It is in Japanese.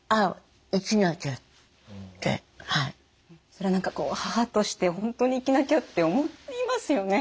それは何か母として本当に生きなきゃって思いますよね。